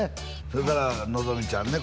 それからのぞみちゃんね